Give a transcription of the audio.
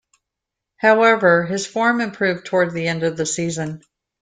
However, his form improved toward the end of the season.